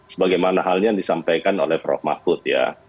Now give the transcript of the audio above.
sebagaimana halnya yang disampaikan oleh prof mahfud ya